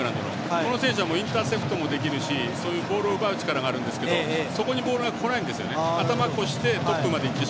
この選手はインターセプトもできるしそういうボールを奪う力があるんですがそこにボールがこないんですよね。